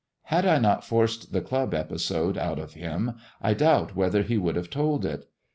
Had I not forced the club episode out of h u I doubt whether he would have told it.